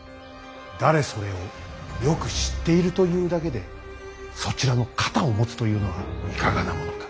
誰それをよく知っているというだけでそちらの肩を持つというのはいかがなものか。